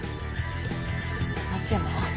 松山。